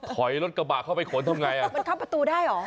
ถอยรถกระบะเข้าไปขนทำไงอ่ะมันเข้าประตูได้เหรอ